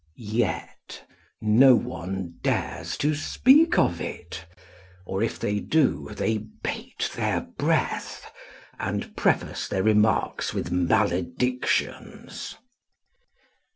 Yet no one dares to speak of it; or if they do, they bate their breath, and preface their remarks with maledictions.